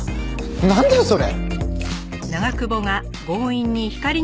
なんだよそれ！